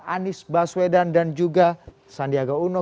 anies baswedan dan juga sandiaga uno